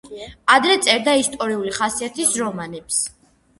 ადრე წერდა ისტორიული ხასიათის რომანებს.